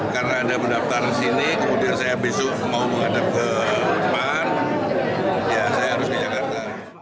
karena ada mendaftar di sini kemudian saya besok mau menghadap ke jerman ya saya harus ke jakarta